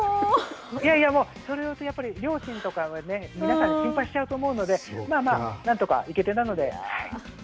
いやいやもう、それを言うと、両親とかがね、皆さんが心配しちゃうと思うので、まあまあ、なんとかいけてたので。